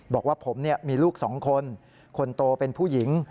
บอกว่าผมมีลูกสองคนคนโตเป็นผู้หญิง